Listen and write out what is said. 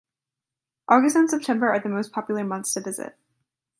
August and September are the most popular months to visit.